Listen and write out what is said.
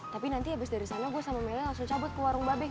tapi nanti abis dari sana gue sama meli langsung cabut ke warung babing